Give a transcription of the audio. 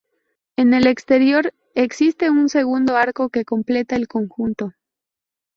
En el exterior existe un segundo arco que completa el conjunto.